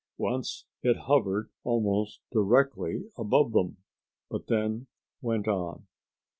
Once it hovered almost directly above them, but then went on.